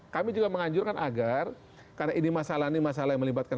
kami juga menganjurkan agar karena ini masalah ini masalah yang melibatkan